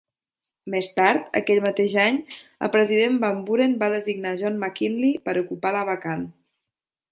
Més tard, aquell mateix any, el president Van Buren va designar John McKinley per ocupar la vacant.